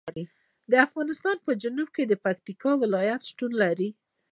د افغانستان په جنوب کې د پکتیکا ولایت شتون لري.